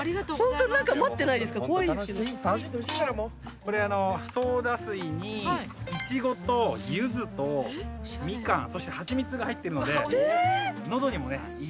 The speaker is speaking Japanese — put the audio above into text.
これソーダ水にいちごとゆずとみかんそしてハチミツが入ってるのでのどにもねいい。